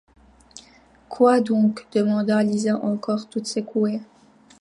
Quoi donc? demanda Lisa encore toute secouée.